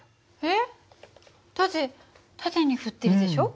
だって縦に振ってるでしょ？